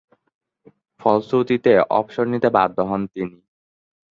ফলশ্রুতিতে অবসর নিতে বাধ্য হন তিনি।